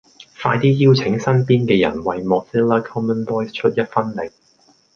快啲邀請身邊嘅人為 Mozilla common voice 出一分力